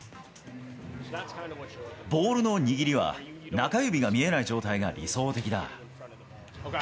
ボールの握りは、中指が見えない状態が理想的だ。